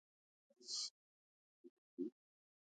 سرحدونه د افغان ښځو په ژوند کې رول لري.